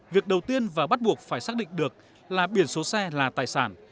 việc đầu tiên và bắt buộc phải xác định được là biển số xe là tài sản